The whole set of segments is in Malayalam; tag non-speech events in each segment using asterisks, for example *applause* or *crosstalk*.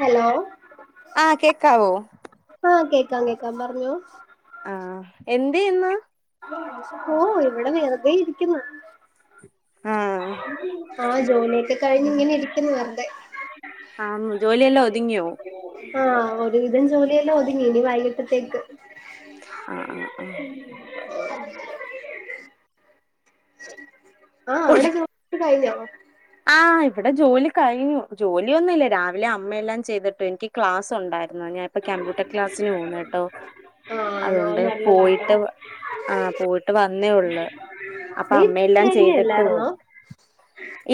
ഹലോ ആഹ് കേക്കാവോ ആഹ് കേക്കാം കേക്കാം പറഞ്ഞോ ആഹ് എന്തെയ്യുന്ന് ഓഹ് ഇവിടെ വെറുതെ ഇരിക്കുന്നു ആഹ് ആഹ് ജോലിയൊക്കെ കഴിഞ്ഞ് ഇങ്ങനെ ഇരിക്കുന്നു വെറുതെ ആഹ് ജോലിയെല്ലാം ഒതുങ്ങിയോ? ആഹ് ഒരുവിധം ജോലിയെല്ലാം ഒതുങ്ങി നി വൈകിട്ടത്തേക്ക് ആഹ് ആഹ് ആഹ് *inaudible* ആഹ് ഒതു അവിടെ ജോലിയൊക്കെ കഴിഞ്ഞോ ആഹ് ഇവിടെ ജോലി കഴിഞ്ഞു ജോലിയൊന്നുല്ല രാവിലെ അമ്മയെല്ലാം ചെയ്തിട്ടു എനിക്ക് ക്ലാസ് ഉണ്ടായിരുന്നു ഞാൻ ഇപ്പം കമ്പ്യൂട്ടർ ക്ലാസ്സിന് പോകുന്നു ട്ടോ ആഹ് ആണോ അതുകൊണ്ട് നല്ലതാട്ടോ പോയിട്ട് ആഹ് പോയിട്ട് വന്നേ ഒള്ള്. അപ്പ നീ അമ്മയെല്ലാം ചെയ്തിട്ട് പോവും. കഴിഞ്ഞല്ലായിരുന്നോ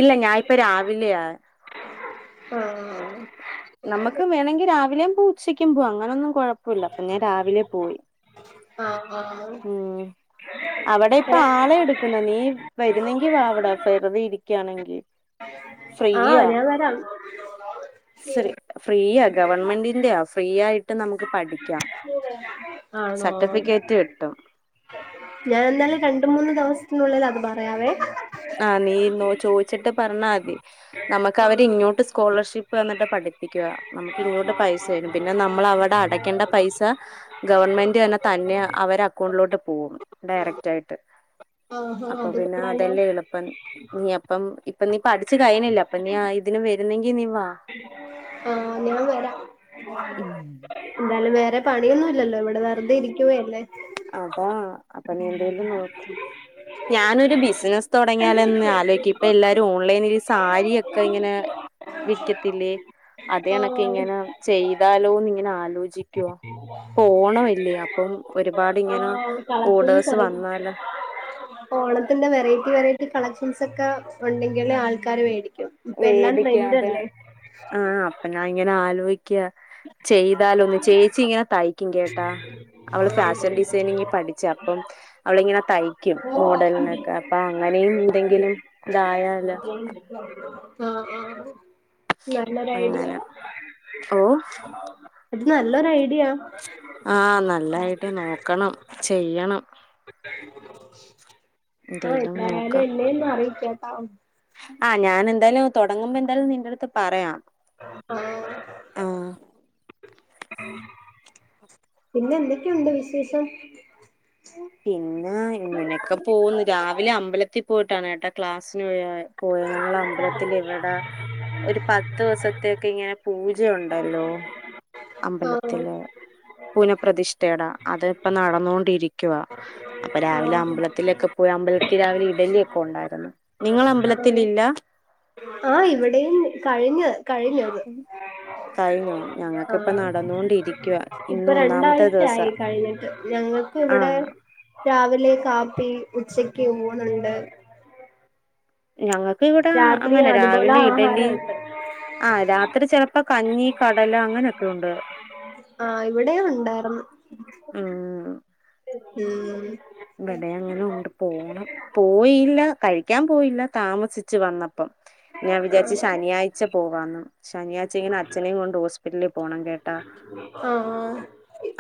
ഇല്ല ഞാനിപ്പ രാവിലെയാ ആഹ് നമുക്ക് വേണെങ്കി രാവിലും പോം ഉച്ചക്കുപോം അങ്ങനൊന്നുംകുഴപ്പം പ്പൊലാ അപ്പം ഞാൻ രാവിലെ പോയി ആഹ് ആഹ് ഉം അവിടെ ഇപ്പൊ വരാം ആളെ എടുക്ക ക്കുന്ന നീ വരുന്നെങ്കി വാ ഫെറുതെ ഇരിക്കുകയാണെങ്കിൽ ആഹ് ഞാൻ വരാം. ശ്രീ ഫ്രീയ ഗവൺമെന്റിന്റെയാ ഫ്രീ ആയിട്ട് നമുക്ക് പഠിക്കാം. സർട്ടിഫിക്കറ്റ് കിട്ടും. ഞാനെന്താലും രണ്ട് മൂന്ന് ദിവസത്തിനുള്ളില് അത് പറയാവേ ആ നീന്നോ ചോയിച്ചിട്ട് പറഞ്ഞാ മതി. നമക്ക് ആഹ് അവരിങ്ങോട്ട് സ്കോളർഷിപ്പ് വന്നിട്ട് പഠിപ്പിക്കുക നമക്ക് ഇങ്ങോട്ട് പൈസ വരും പിന്നെ നമ്മളവിടെ അട *unintelligible* പൈസ ഗവൺമെന്റ് തന്നെ തന്നെ അവര് അക്കൗണ്ടിലോട്ട് പോകും ഡയറക്റ്റ് ആയിട്ട് ആഹ് അപ്പൊ അത് പിന്ന കൊള്ളാലോ പ്പ നീ അപ്പം ഇപ്പ നീ പഠിച്ച് കയിഞ്ഞല്ല അപ്പ നീ ഇതിന് വരുന്നെങ്കി നീ വാ ആഹ് ഞാൻ വരാ ഉം എന്നാലും വറെ പണിയൊന്നുലല്ലോ ഇവിടെ വെറുതെ ഇരിക്കുവയല്ലേ അതാ അപ്പൊ നീ എന്തേലും നോക്ക് ഞാനൊരു ബിസിനസ് തുടങ്ങിയാലൊന്ന് ആലോയിക്കാ ഇപ്പ എല്ലാരും ഓൺലൈൻ വയി സാരിയൊക്കെ ഇങ്ങനെ വിക്കത്തില്ലേ അതണക്കെ ഇങ്ങനെ ചെയ്താലോന്ന് ഇങ്ങനെ ആലോചിക്കുവാ ഓണോല്ലേ അപ്പം ഒരുപാടിങ്ങനെ ആഹ് കളക്ഷൻസ് ഓടേഴ്സ് അറി വന്നാല ഓണത്തിന്റെ വെറൈറ്റി വെറൈറ്റി കളക്ഷൻസ് ഒക്കെ ഉണ്ടെങ്കിൽ ആൾക്കാര് വേടിക്കും ഇപ്പ എല്ലാം ട്രെൻഡല്ലേ ആ അപ്പൊ ഞാൻ ഇങ്ങന ആലോചിക്ക ചെയ്താല ഒന്ന് ചേച്ചി ഇങ്ങനെ തയ്ക്കും കേട്ടാ അവള് ഫാഷൻ ഡിസൈനിങ്ങിൽ പഠിച്ച അപ്പം അവളി ഇങ്ങനെ തയ്ക്കും മോഡലിനൊക്കെ അപ്പൊ അങ്ങനെയും എന്തെങ്കിലും ഇതായാല ആഹ് ആഹ് നല്ലോരായ്ഡിയാ അങ്ങനെ ഓ അത് നല്ലൊരു ഐഡിയ ആഹ് നല്ലായിട്ട് നോക്കണം ചെയ്യണം ആഹ് എന്തേലും എന്തായാലും നോക്കാം എന്നെയൊന്ന് അറിയിക്കെട്ടോ ആഹ് ഞാന് എന്തായാലും തുടങ്ങുമ്പോ എന്തായാലും നിന്റെടുത്ത് പറയാം ആഹ് പിന്നെ എന്തൊക്കെയുണ്ട് വിശേഷം പിന്നെ ഇങ്ങനൊക്കെ പോന്നു രാവിലെ അമ്പലത്തിൽ പോയിട്ടാണ് കേട്ടാ ക്ലാസ്സിന് പോയ പോയ ഞങ്ങള അമ്പലത്തില് ഇവിടെ ഒരു പത്ത് ദിവസ ത്തേക്കെ ഇങ്ങനെ പൂജ ഉണ്ടല്ലോ ആഹ് അമ്പലത്തില് പുനപ്രതിഷ്ഠട അത് ഇപ്പ നടന്നോണ്ടിരിക്കുവ അപ്പൊ രാവിലെ ആഹ് അമ്പലത്തിലൊക്കെ പോയി അമ്പലത്തിൽ രാവിലെ ഇഡലിയൊക്കെ ഉണ്ടായിരുന്നു നിങ്ങള അമ്പലത്തിലില്ല ആഹ് ഇവിടെയും കഴിഞ്ഞ് കഴിഞ്ഞ് ഉം കഴിഞ്ഞോ ഞങ്ങക്കിപ്പ ആഹ് നടന്നോണ്ടിരിക്കുവ ഇന്ന് ഇപ്പൊ ഒന്നാമത്തെ ദിവസാ രണ്ടാഴ്ചയായി കഴിഞ്ഞിട്ട് ഞങ്ങ ക്ക് ഇവിടെ ആഹ് രാവിലെ കാപ്പി ഉച്ചക്ക് ഊണുണ്ട് ഞങ്ങക്ക് ഇവിടെ രാത്രി അങ്ങന അതുപോലെ രാവിലെ ഇഡലി ആഹാരമുണ്ട് ആഹ് രാത്രി ചിലപ്പോ കഞ്ഞി കടല അങ്ങനൊക്കെ ഉണ്ട് ആഹ് ഇവിടേം ഉണ്ടായിരുന്നു ഉം ഉം ഇവിടെ അങ്ങനെ ഉണ്ട് പോണം പോയില്ല കഴിക്കാൻ പോയില്ല താമസിച്ചു വന്ന പ്പം ഞാൻ വിചാരിച്ച് ശനിയായി ച്ച പോകാന്ന് ശനിയാഴ്ച്ച ഇങ്ങനെ അച്ഛനേം കൊണ്ട് ഹോസ്പിറ്റലിൽ പോണം കേട്ടാ ആഹ് ആഹ്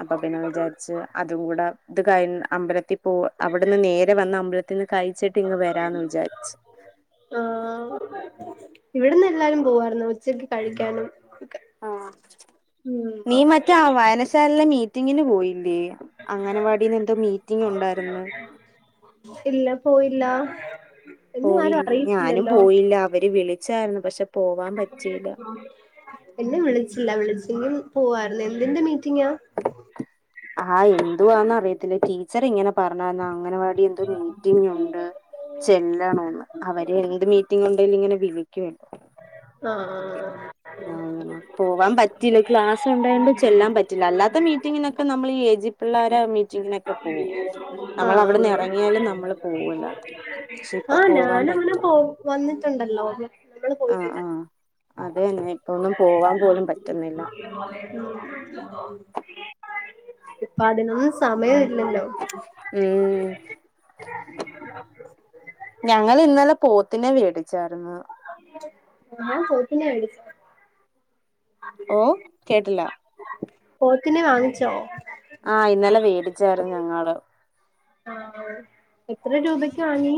അപ്പൊ പിന്നെ വിചാരിച്ച് അതും കൂടെ ഇത് കയി അമ്പലത്തി പോ അവിട്നിന്ന് നേരെ വന്ന് അമ്പലത്തിന്ന് കഴിച്ചിട്ട് ഇങ്ങ് വരാന്ന് വിചാരിച്ച്. ആഹ് ഇവിടിന്ന് എല്ലാരും പോവാർന്നു ഉച്ചക്ക് കഴിക്കാനും ഒക്കെ. ആഹ് ഉം നീ മറ്റേ വായനശാലയിലെ മീറ്റിങ്ങിന് പോയില്ലേ അംഗനവാടിന്ന് എന്തോ മീറ്റിംഗ് ഉണ്ടായിർന്ന് ഇല്ല പോയില്ല എന്നെ ആരും പോയില്ലേ. ഞാനും അറിയിച്ചില്ലല്ലോ പോയില്ല അവര് വിളിച്ചായിർന്നു പക്ഷെ പോവാൻ പറ്റീല്ല. എന്നെ വിളിച്ചില്ല വിളിച്ചെങ്കിൽ പോവായിർന്നു എന്തിന്റെ മീറ്റിങ്ങാ ആഹ് എന്തുവാന്ന് അറിയത്തില്ല ടീച്ചർ ഇങ്ങനെ പർഞ്ഞന്നു അംഗൻവാടി എന്തോ മീറ്റിങ് ഉണ്ട് ചെല്ലണോന്ന്. അവര് എന്ത് മീറ്റിംഗ് ഉണ്ടേലും ഇങ്ങനെ വിളിക്കേല്ലോ. ആഹ് ആഹ് ആഹ് അങ്ങനെ പോവാൻ പറ്റില്ല ക്ലാസ് ഉണ്ടായൊണ്ട് ചെല്ലാൻ പറ്റില്ല അല്ലാത്ത മീറ്റിങ്ങിനൊക്കെ നമ്മ നമ്മള് ഈ ഏജി പിള്ളോരെ മീറ്റിങ്ങിനൊക്കെ പോവോ? ആഹ് പക്ഷെ ഇപ്പൊ ആഹ് പോവാൻ ഞാന് അങ്ങനെ പറ്റോ പോവും. വന്നിട്ടുണ്ടല്ലോ നമ്മള് പോയിട്ടുണ്ട അത് തന്നെ ഇപ്പൊന്നും പോവാൻ പോലും പറ്റുന്നില്ല *inaudible* ഇപ്പൊ അതിനൊന്നും സമയം ഇല്ലല്ലോ. ഉം ഉം ഞങ്ങൾ ഇന്നലെ പോത്തിനെ വേടിച്ചായിരുന്നു. നിങ്ങൾ പോത്തിനെ വേടിച്ചോ ഓഹ് കേട്ടില്ല. പോത്തിനെ വാങ്ങിച്ചോ? ആഹ് ഇന്നലെ വേടിച്ചായിരുന്നു ഞങ്ങള്. ആ എത്ര രൂപക്ക് വാങ്ങി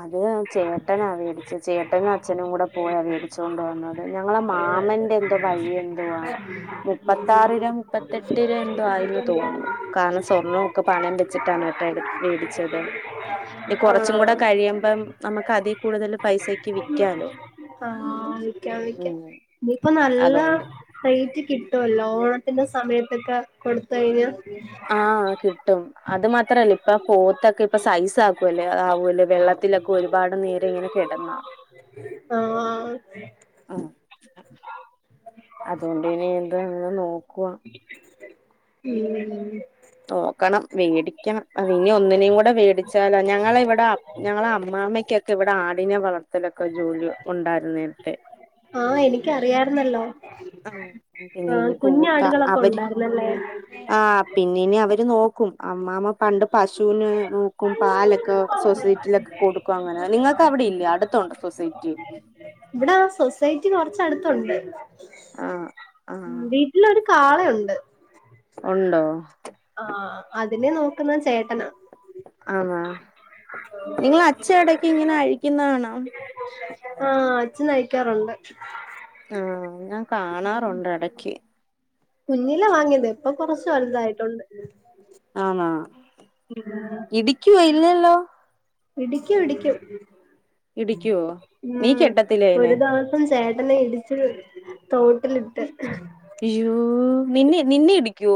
അത് ചേട്ടനാ വേടിച്ചെ ചേട്ടനും അച്ഛനും കൂടെ പോയി വേടിച്ചോണ്ട് വന്ന ഞങ്ങള മാമന്റെ എന്തോ വഴി എന്തുവാ മുപ്പത്താറില മുപ്പ തെട്ടിര എന്തോ ആയെന്ന് തോന്നുന്നു കാരണം സ്വർണൊക്കെ പണയം വെച്ചിട്ടാണ് ഏട്ട എടു വേടി ദം ഇനി കുറച്ചും കൂടെ ആഹ് കഴിയുമ്പം നമുക്ക് അതി കൂടുതൽ പൈസക്ക് വിക്കാല്ലോ ആ വിക്കാം വിക്കാം ഇപ്പ നല്ല അതുകൊണ്ട് റേറ്റ് കിട്ടുവല്ലോ ഓണത്തിന്റെ സമയത്തൊക്കെ കൊടുത്തഴിഞ്ഞാ ആ കിട്ടും അത് മത് അത്രല്ലേ ഇപ്പ പോത്തൊക്കെ ഇപ്പ സൈസ് അക്കുവല്ലേ അവുല്ലേ വെള്ളത്തിലൊക്കെ ഒരുപാട് നേരം ഇങ്ങനെ കിടാന്ന ആ ആ അതോണ്ട് ഇനി എന്ത അങ്ങനെ നോക്കുവാ ഉം നോക്കണം വേടിക്കണം അത് ഇനി ഒന്നിനേയും കൂടെ വേടിച്ചാലോ ഞങ്ങള ഇവിടെ അ ഞങ്ങളെ അമ്മാമ്മയ്ക്കൊക്കെ ഇവിടെ ആടിനെ വളർത്തലൊക്കെ ജോലി ഉണ്ടായിരുന്ന് നേരത്തേ ആഹ് എനിക്കറിയാരുന്നല്ലോ ഉം പിന്നെ ആഹ് ഇനി പൂത്ത കുഞ്ഞാടുകളൊക്കെ അവര് ഉണ്ടായിരുന്നല്ലേ ആ് പിന്നെ ഇനി അവര് നോക്കും അമ്മാമ്മ പണ്ട് പശുവിന് നോക്കും പാലൊക്കെ സൊസൈറ്റിയിലൊക്കെ കൊടുക്കും അങ്ങനെ നിങ്ങൾക്ക് അവിടെ ഇല്ലേ അടുത്തുണ്ട് സൊസൈറ്റി ഇവിടെ ആ സൊസൈറ്റി കൊറച്ചടുത്തുണ്ട് ആഹ് ആഹ് വി ഇല്ല ഒരു കാളയുണ്ട് ഒണ്ടോ ആ അതിനെ നോക്കുന്ന ചേട്ടനാ അന്നാ നിങ്ങളെ അച്ഛൻ ഇടക്ക് ഇങ്ങനെ അഴിക്കുന്ന കാണാം ആ അച്ഛനഴിക്കാറുണ്ട് ആ ഞാൻ കാണാറുണ്ടെടക്ക് കുഞ്ഞിലെ വാങ്ങിയത് ഇപ്പൊ കൊറച്ചു വലുതായിട്ടുണ്ട് ആന്നാ ഉം ഇടിക്കുവോ ഇല്ലല്ലോ ഇടിക്കും ഇടിക്കും ഇടിക്കുവോ നീ കെട്ടത്തില്ലേ ഉംഒരു അയിനെ ദെവ ഇപ്പം ചേട്ടനെ ഇടിച്ച് തോട്ടിലിട്ട് അശ്യുവേ നിന്നെ നിന്നെ ഇടിക്കോ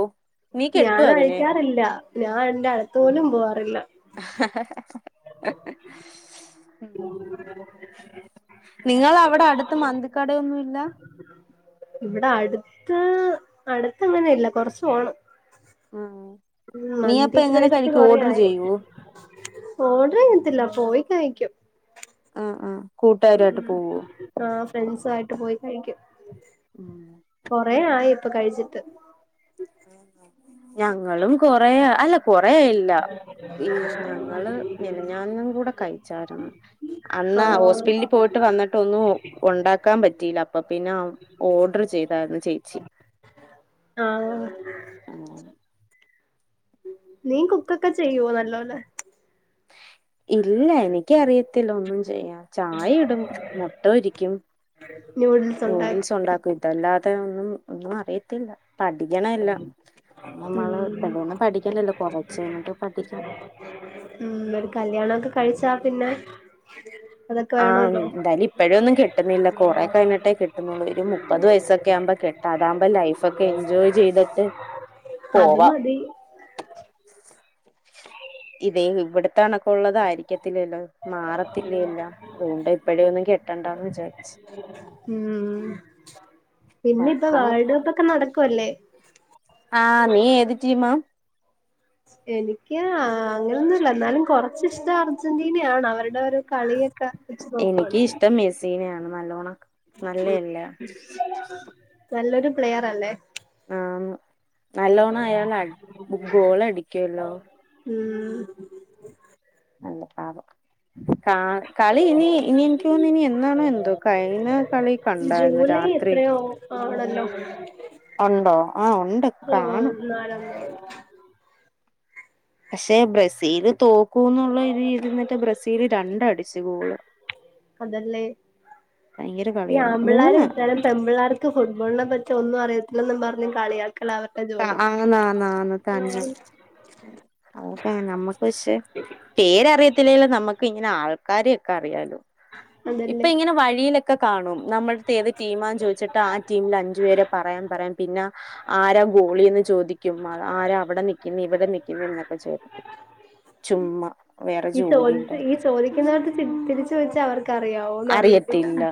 ഞാൻ അഴിക്കാറില്ല ഞാൻ അത്‌ന്റെ അടുത്ത് പോലും പോവാറില്ല *unintelligible* നിങ്ങളവിടെ അടുത്ത് മന്തിക്കടയൊന്നും ഇല്ല ഇവിടെ അടുത്ത് അടുത്ത് അങ്ങനെ ഇല്ല കൊറച്ച് പോണം ഉം ഉംനീ അപ്പ മന്തിയൊക്കെ എങ്ങനെ കഴിച്ചിട്ട് കഴിക്കുംഓർഡർ ചെയ്യോ ഓർഡറെയ്യത്തില്ല പോയി കഴിക്കും ഉം ഉം കൂട്ടാരായിട്ട് പോവോ ആ ഫ്രണ്ട്സായിട്ട് പോയി കഴിക്കും. ഉം കൊറേ ആയി ഇപ്പൊ കഴിച്ചിട്ട് ഞങ്ങളും കൊറെ അല്ല കൊറെയില്ല ല്ല ഈ ഞങ്ങള് മിനഞ്ഞന്നും കൂടെ കഴിച്ചാരുന്നു അന്നാ ആഹ് ഹോസ്പില് പോയിട്ട് വന്നിട്ടൊന്നും ഒണ്ടാക്കാൻ പറ്റിയില്ല അപ്പൊ പിന്നെ ഓർഡർ ചെയ്തായിരുന്നു ചേച്ചി ആഹ് ആ നീ കുക്കൊക്കെ ചെയ്യോ നല്ലോലെ ഇല്ല എനിക്ക് അറിയത്തില്ല ഒന്നും ചെയ്യാൻ ചായ ഇടും, മുട്ട പൊരിക്കും ന്യൂഡിൽസ് ഉണ്ടാക്ക നൂഡിൽസ് ഉണ്ടാക്കു ഇതല്ലാതെ ഒന്നും ഒന്നും അറിയത്തില്ല. പഠിക്കണല്ല നമ്മള് ഉം പിന്നെയൊന്നും പഠിക്കില്ലല്ലോ കൊറച്ചഴിഞ്ഞിട്ട് പഠിക്കണം. ഉം ഒരു കല്യാണൊക്കെ കഴിച്ചാ പിന്നെ അതൊക്കെ ആഹ് വേണല്ലോ എന്തായാലും ഇപ്പഴൊന്നും കെട്ടുന്നില്ല കൊറെ കഴിഞ്ഞിട്ടേ കെട്ടുന്നുള്ളൂ ഒരു മു മുപ്പത് വയസ്സൊക്കെ ആവുമ്പോ കെട്ട അതാകുമ്പോ ലൈഫൊക്കെ എൻജോയ് ചെയ്തിട്ട് അതു പോവാം മതി ഇതേ ഇവിട് ണക്കുള്ളതായിരിക്കത്തില്ലല്ലോ മാറത്തില്ലേലോ അതുകൊണ്ട് ഇപ്പഴേ ഒന്നും കെട്ട്ടണ്ടാന്ന് വിചാരിച്ചു. ഉം പിന്നിപ്പ നോക്കണം വേൾഡ് കപ്പൊക്കെ നടക്കുവല്ലേ. ആഹ് നീ ഏത് ടീമാ എനിക്ക് അങ്ങനെയൊന്നുല്ലന്നാലും കൊറച്ച് ഇഷ്ടായിരുന്നു. അർജന്റീനയാണ് അവരുടെ ഒരു കളിയൊക്കെ വെച്ച് നോക്കാണെങ്കിൽ. ന്റീനയാണ് നല്ലോണം നല്ലെല്ല നല്ലൊരു പ്ലെയറല്ലേ ആന്ന് നല്ലോണം ആയാല ഗോളടിക്കുവല്ലോ ഉം നല്ല പാകം കാ കളി ഇനി ഇനി എൻക്ക് തോന്ന ഇനി എന്നാണ് എന്തോ കഴിഞ്ഞ കളി കണ്ടായിരുന്നു ജൂലൈ രാത്രി എത്രയോ ആണ *inaudible* ഉണ്ടോ ആ ഉണ്ട് കാണും പക്ഷെ ബ്രസീല് തോക്കൂന്നുള്ള രീതി ന്നട്ട് ബ്രസീല് രണ്ടടിച്ചു ഗോള്. അതല്ലേ ഭയങ്കര ഈ കളിയാണ് ആമ്പിള്ളേർ മൂന്ന് വിച്ചാലും പെമ്പിള്ളേർ. ക്ക് ഫുട്ബോൾനെ പറ്റി ഒന്നും അറിയത്തില്ലന്നും പർഞ് കളിയാക്കല അവ- ആ ആന്നാന്നന്ന് തന്നെ. *inaudible* അ ഒക്കെ നമ്മക്ക് പക്ഷെ പേരറിയത്തില്ലേലും നമ്മക്ക് ഇങ്ങനെ ആൾക്കാരെയൊക്കെ അറിയാലോ. ഇപ്പ അതല്ലേ ഇങ്ങനെ വഴിയിലൊ ക്കെ കാണും നമ്മൾത്തെ ഏത് ടീമാന്ന് ചോയ്ച്ചിട്ട് ആ ടീംല് അഞ്ചു പേരെ പറയാം പറയും പിന്ന- ആരാ ഗോളിന്ന് ചോദിക്കും ആരാ അവടെ നിക്കുന്നെ ഇവിടെ നിക്കുന്നെ എന്നൊക്ക ചോദിക്കും. ചുമ്മാ വേറെ ഈ ജോലി ണ്ട. ചോദിച്ച് ഈ ചോദിക്കുന്നവർക്ക് തിര് തിരിച്ച് ചോിച്ചാ അവർക്കറിയാവോന്ന് അറിയ ട്ടില്ല.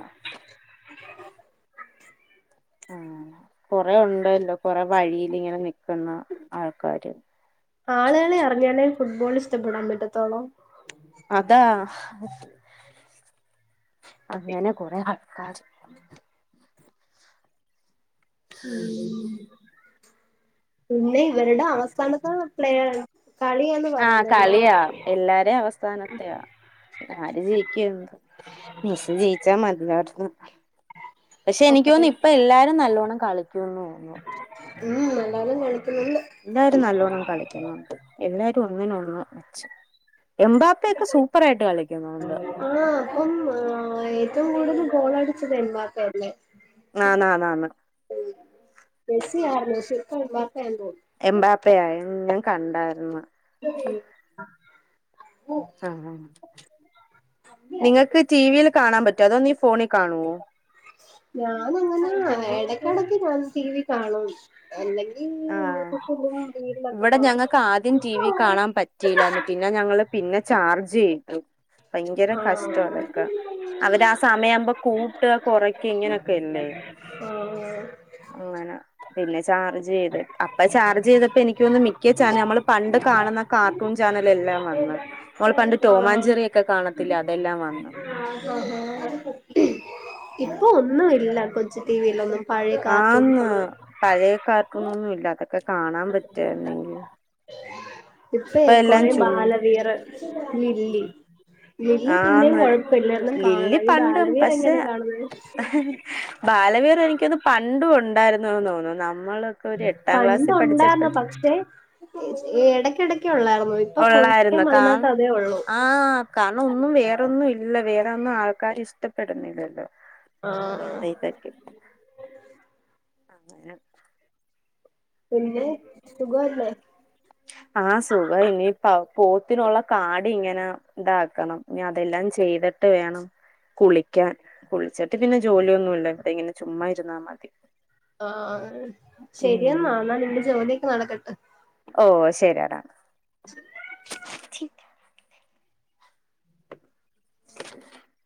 ഉം കൊറെ ഉണ്ടല്ലോ കൊറെ വഴിയില്ങ്ങനെ നിക്ന്ന ആൾക്കാര്. ആള്കളെ അർഞ്ഞാലേ ഫുട്ബോൾ ഇഷ്ടപ്പെടാൻ പറ്റത്തോളോ. അതാ അങ്ങനെ കൊറെ ആൾ. *unintelligible* ഉം. പിന്നെ ഇവര്ടെ അവസ്താനത്ത് പ്ലേ കളി ആഹ് കളിയാ എല്ലാരേ അവസ്താനത്തെയ ആര് ജയി. *unintelligible* മെസ് ജയിച്ചാ മതിടർന്ന്. പക്ഷെ എനിക്ക് അപ്പൊ തോന്നുന്നു ഇപ്പ എല്ലാരും നല്ലോണ്ണം കളിക്കൂന്ന് തോന്നുന്നു. ഉം നല്ലോണം കളിക്കുന്നുണ്ട്. ല്ലാരും നല്ലോണം കളിക്കുന്നുണ്ട് എല്ലാരും ഒന്നിനൊന്ന് മെച്ചം. എംമ്പാപ്പയൊക്കെ സൂപ്പറായിട്ട് കളിക്കുന്നുണ്ട്. ആഹ് പ്പം ആ ഏറ്റവും കൂടുതൽ ഗോളടിച്ചത് എമ്പാപ്പയല്ലേ. ആഹ് ന്നാ ന്നാ ന്ന. ഉം മെസിയാർ മെസിപ്പ എംബാപയാണെന്ന് തോന്നു എമ്പാപ്പയായി ഞ കണ്ടായിരുന്ന്. *unintelligible* ആഹ് നിങ്ങക്ക് ടി വിയിൽ കാണാ പറ്റോ അതോന്ന് ഫോണി കാണുവോ? ഞാ *unintelligible* എടക്കെടക്ക് ഞാൻ സി വി കാണും. എല്ലെങ്കി ആഹ് *unintelligible* വീടിനൊക്കെ കാണ. റ്റിലന്ന് പിന്നെ ഞങ്ങള് പിന്നെ ചാർജെയ്തു ഭയങ്കര കഷ്ട ആഹ് അതൊക്കെ. അവരാ സമയമ്പോ കൂട്ട്യ കൊറക്ക്യ ഇങ്ങനൊക്കെല്ലേ. ആഹ് ആഹ്. അങ്ങന പിന്നെ ചാർജ് ചെയ്. അപ്പ ചാർജെയ്തപ്പ എനിക്കോന്നു മിക്ക ചാന നമ്മള് പണ്ട് കാണ്ന്ന കാർട്ടൂൺ ചാനലെല്ലാം വന്ന്. ഓൾ പണ്ട് ആഹ് ടോമാഞ്ചെറിയൊക്കെ കാണത്തില്ല അതെല്ലാം വന്നു. *inaudible* ഇപ്പൊ ഒന്നു ഇല്ല കൊച്ചു ടിവിലൊന്നും പഴേ കാർട്ടൂൺ ആന്ന് ഫുൾ. പഴയ കാർട്ടൂണൊന്നും ഇല്ല അതൊക്കെ കാണാ പറ്റയ്രുന്നെങ്കിൽ. ഇപ്പയ് കൊറെ ബാലവീർ വില്ലി. വില്ലി പിന്നേം ആന്ന് കൊഴപ്പല്ല എന്നും കാണാ ലില്ലി ഈ പണ്ടും ബാലവിർ പക്ഷെ എങ്ങനെ കാണുന്നത്? ബാലവീർ എനിക്കോന്നു പണ്ടു ണ്ടായിര്ന്നു തോന്നുന്നു നമ്മൾ. പണ്ടൊണ്ടായിര്ന്നു പക്ഷേ എടക്കെടക്കൊള്ളായിര്ന്നു. ഒള്ളായിര്ന്നു കാ ആഹ് കാര്ണം ഒന്നും വേറൊന്നും ഇല്- ല്ല വേറെന്നും ആൾക്കാര് ഇഷ്ടപ്പെടുന്നില്ലല്ലോ. ആഹ് ആഹ്. *unintelligible* ക്കെ. െ *unintelligible* പിന്നെ, സുഖവല്ലേ ആ സുഖ ഇനിയിപ്പ പോത്തിനുള്ള കാടിയിങ്ങനെ താക്കണം. ന്നി അതെല്ലാം ചെയ്തിട്ട് വേണം കുളിക്കാൻ. കുളിച്ചിട്ട് പിന്നെ ജോലിയൊന്നുമില്ല. ഇവിടെ ഇങ്ങനെ ചുമ്മാ ഇരുന്നാ മതി ആഹ്. ഉം ശരിയെന്നാ എന്നാ നിന്റെ ജോലിയൊക്കെ നടക്കട്ടെ ഓ ശരിയടാ *inaudible* *inaudible*